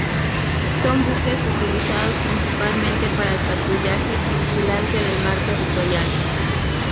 Son buques utilizados principalmente para el patrullaje y vigilancia del mar territorial.